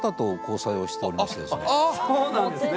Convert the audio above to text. そうなんですね。